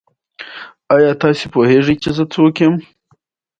دا بڼ د نړۍ له ويجاړۍ وروسته روغ پاتې دی.